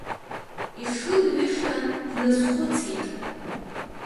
Ишылҩыша дназхәыцит.